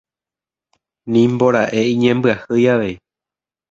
Nimbora'e iñembyahýi avei.